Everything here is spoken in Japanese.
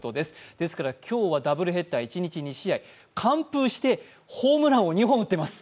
ですから今日はダブルヘッダー、一日２試合、完封して、ホームランを２本打ってます。